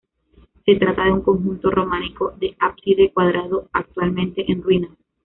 Se trata de un conjunto románico de ábside cuadrado actualmente en ruinas.